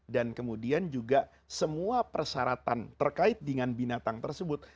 dan kemudian juga semua persyaratan terkait dengan binatang tersebut